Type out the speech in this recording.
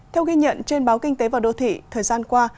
theo ghi nhận trên báo kinh tế và đô thị thời gian qua